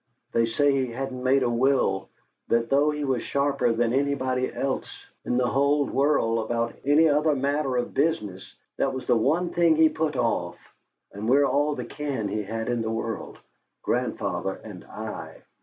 They say he hadn't made a will, that though he was sharper than anybody else in the whole world about any other matter of business, that was the one thing he put off. And we're all the kin he had in the world, grandfather and I.